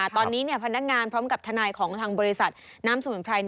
ตอนนี้พนักงานพร้อมกับทนายของทางบริษัทน้ำสมุนไพร